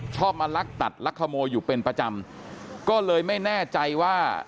ชอบมาลักตัดลักขโมยอยู่เป็นประจำก็เลยไม่แน่ใจว่า